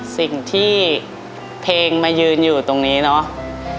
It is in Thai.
สิ่งที่เพลงมายืนอยู่ตรงนี้เนาะ